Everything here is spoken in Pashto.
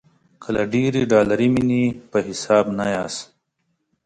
که له ډېرې ډالري مینې په حساب نه یاست.